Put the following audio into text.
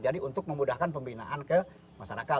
jadi untuk memudahkan pembinaan ke masyarakat